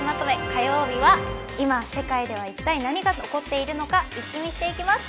火曜日は今、世界では一体何が起こっているのかイッキ見していきます。